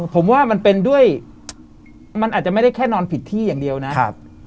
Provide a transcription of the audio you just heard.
ผมว่ามันเป็นด้วยมันอาจจะไม่ได้แค่นอนผิดที่อย่างเดียวนะครับ